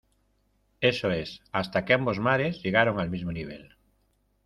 eso es, hasta que ambos mares llegaron al mismo nivel.